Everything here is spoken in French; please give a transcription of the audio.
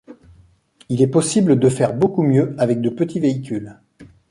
Il est possible de faire beaucoup mieux avec de petits véhicules.